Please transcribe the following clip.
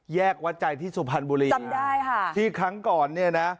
วัดใจที่สุพรรณบุรีจำได้ค่ะที่ครั้งก่อนเนี่ยนะ